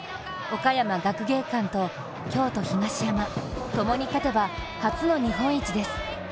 岡山学芸館と、京都・東山、共に勝てば初の日本一です。